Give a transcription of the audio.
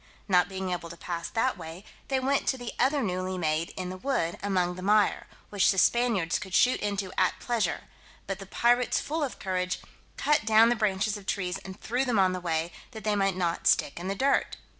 Not being able to pass that way, they went to the other newly made in the wood among the mire, which the Spaniards could shoot into at pleasure; but the pirates, full of courage, cut down the branches of trees and threw them on the way, that they might not stick in the dirt.